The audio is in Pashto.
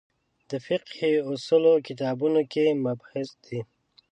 د فقهې اصولو کتابونو کې مبحث دی.